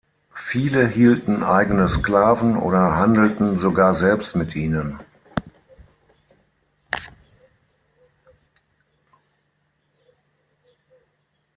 Viele hielten eigene Sklaven oder handelten sogar selbst mit ihnen.